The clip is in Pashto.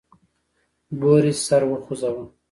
بوریس سر وخوزاوه.